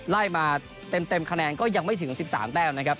ไล่มาเต็มคะแนนก็ยังไม่ถึง๑๓แต้มนะครับ